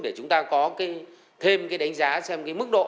để chúng ta có thêm đánh giá xem mức độ